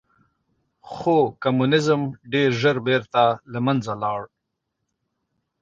خو کمونیزم ډېر ژر بېرته له منځه لاړ.